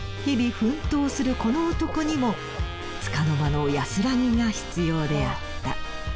日々奮闘するこの男にもつかの間の安らぎが必要であった。